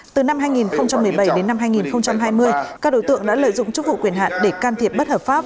từ năm hai nghìn một mươi bảy đến năm hai nghìn hai mươi các đối tượng đã lợi dụng chức vụ quyền hạn để can thiệp bất hợp pháp